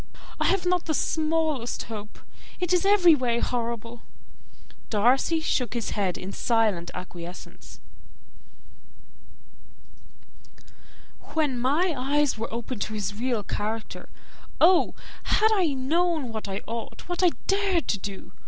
I have not the smallest hope. It is every way horrible!" Darcy shook his head in silent acquiescence. "When my eyes were opened to his real character, oh! had I known what I ought, what I dared to do!